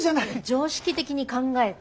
常識的に考えて。